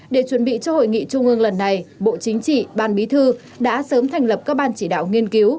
để chuẩn bị cho hội nghị trung ương lần này bộ chính trị ban bí thư đã sớm thành lập các ban chỉ đạo nghiên cứu